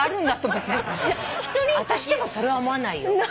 あたしでもそれは思わないよ。